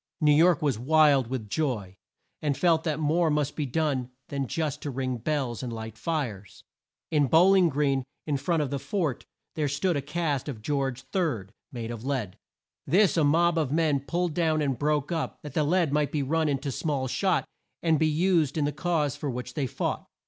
New York was wild with joy, and felt that more must be done than just to ring bells and light fires. In Bow ling Green, in front of the fort, there stood a cast of George Third, made of lead. This a mob of men pulled down and broke up, that the lead might be run in to small shot and be used in the cause for which they fought.